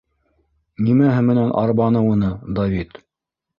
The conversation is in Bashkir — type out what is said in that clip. Нимәһе менән арбаны уны Давид?